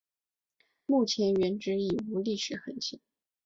目前原址已无历史痕迹。